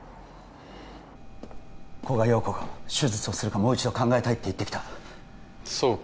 古賀洋子が手術をするかもう一度考えたいって言ってきたそうか